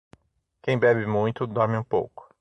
Quem bebe muito, dorme um pouco.